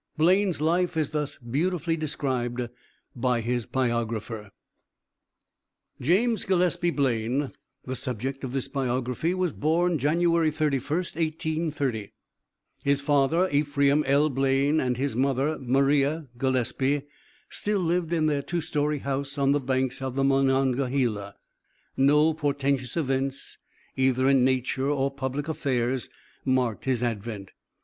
Blaine's life is thus beautifully described by his biographer: "James Gillespie Blaine, the subject of this biography, was born January 31st, 1830. His father, Ephraim L. Blaine, and his mother, Maria Gillespie, still lived in their two story house on the banks of the Monongahela. No portentious events, either in nature or public affairs, marked his advent.